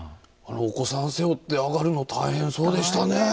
お子さんを背負って上がるの大変そうでしたね。